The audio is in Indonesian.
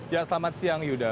ya selamat siang yuda